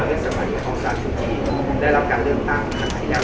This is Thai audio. ด้วยสมัยของสาธุจีนได้รับการเริ่มต่างที่แล้ว